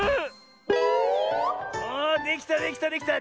おおできたできたできた！